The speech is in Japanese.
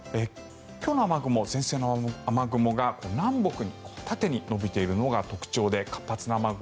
今日の雨雲、前線の雨雲が南北に縦に延びているのが特徴で活発な雨雲